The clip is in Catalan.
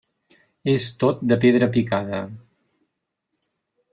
És tot de pedra picada.